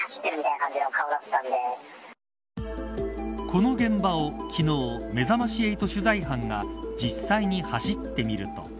この現場を昨日、めざまし８取材班が実際に走ってみると。